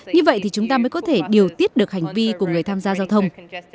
như vậy thì chúng ta mới có thể điều tiết được hành vi của người tham gia giao thông